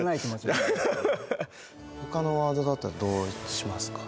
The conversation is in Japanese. はっほかのワードだったらどうしますか？